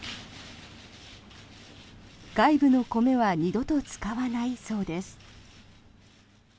外部の米は二度と使わないそうです。